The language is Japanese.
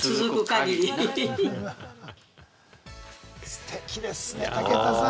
ステキですね、武田さん。